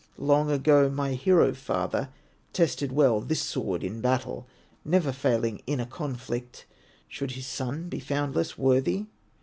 Long ago my hero father Tested well this sword in battle, Never failing in a conflict. Should his son be found less worthy?"